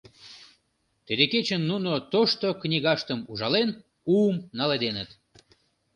Тиде кечын нуно тошто книгаштым ужален, уым наледеныт.